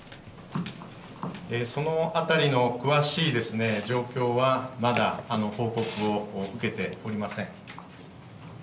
そのあたりの詳しい状況はまだ報告を受けておりません。